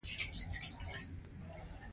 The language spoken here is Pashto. موږ ولې د بې عدالتۍ پر وړاندې دریږو؟